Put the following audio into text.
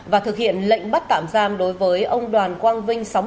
và thực hiện lệnh bắt tạm giam đối với ông đoàn quang vinh